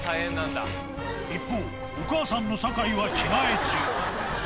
一方、お母さんの酒井は着替え中。